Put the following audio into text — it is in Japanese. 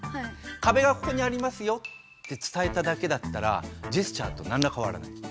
カベがここにありますよって伝えただけだったらジェスチャーとなんらかわらない。